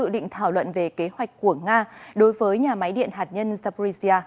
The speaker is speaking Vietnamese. định thảo luận về kế hoạch của nga đối với nhà máy điện hạt nhân zaporizhia